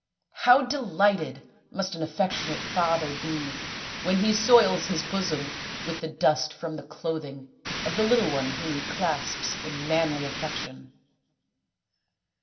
" How delighted must an affectionate father be when he soils his bosom with the dust from the clothing of the little one whom he clasps in manly affection